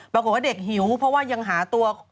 ปรากฏว่าเด็กหิวเพราะว่ายังหาตัว